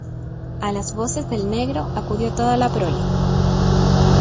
a las voces del negro acudió toda la prole.